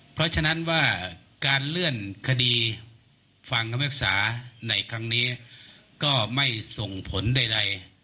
เพราะฉะนั้นว่าการเลื่อนคดีฟังคำพิพากษาในครั้งนี้ก็ไม่ส่งผลใด